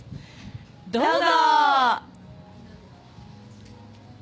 どうぞ！